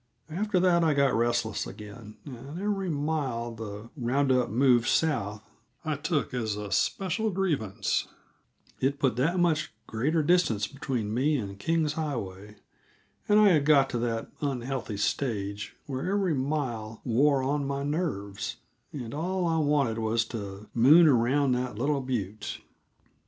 After that I got restless again, and every mile the round up moved south I took as a special grievance; it put that much greater distance between me and King's Highway and I had got to that unhealthy stage where every mile wore on my nerves, and all I wanted was to moon around that little butte.